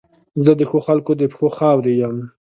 زه د ښو خلګو د پښو خاورې یم.